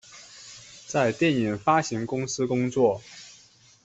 在电影发行公司工作。